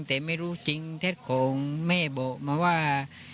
แต่ไม่รู้จริงเท็จของแม่บอกมาว่า